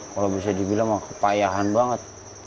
kalau bisa dibilang kepayahan banget